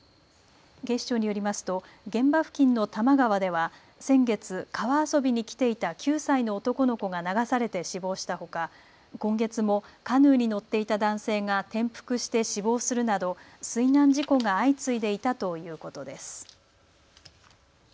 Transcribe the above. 警視庁によりますと現場付近の多摩川では先月、川遊びに来ていた９歳の男の子が流されて死亡したほか今月もカヌーに乗っていた男性が転覆して死亡するなど水難事故が相次いでいたということです。